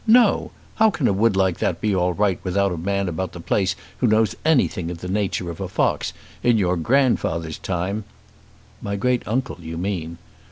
No! How can a wood like that be all right without a man about the place who knows anything of the nature of a fox? In your grandfather's time " "My great uncle you mean."